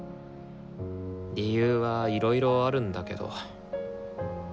理由はいろいろあるんだけど。